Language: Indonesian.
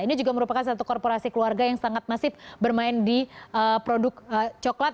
ini juga merupakan satu korporasi keluarga yang sangat masif bermain di produk coklat